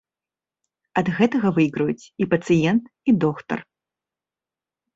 Ад гэтага выйграюць і пацыент, і доктар.